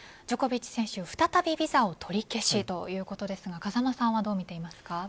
ジョコビッチ選手、再びビザを取り消しということですが風間さんは、どうみていますか。